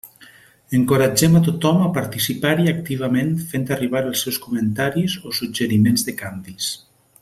Encoratgem a tothom a participar-hi activament fent arribar els seus comentaris o suggeriments de canvis.